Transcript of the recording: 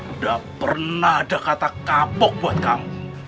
udah pernah ada kata kapok buat kamu